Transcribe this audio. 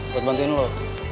buat bantuin lo